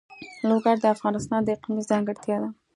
لوگر د افغانستان د اقلیم ځانګړتیا ده.